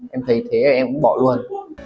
em thấy thế thì em cũng bỏ luôn